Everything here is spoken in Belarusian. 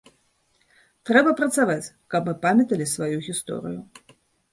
Трэба працаваць, каб мы памяталі сваю гісторыю.